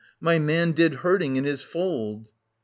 My man did herding in his fold.